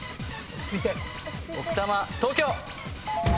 奥多摩東京！